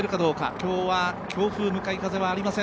今日は強風、向かい風はありません